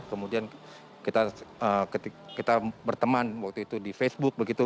kemudian kita berteman waktu itu di facebook begitu